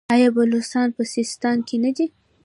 آیا بلوڅان په سیستان کې نه دي؟